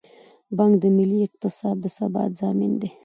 بانک د ملي اقتصاد د ثبات ضامن دی.